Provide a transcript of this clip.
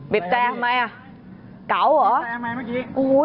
เป็นแปลงไหมเกาหรอเป็นแปลงไหมเมื่อกี้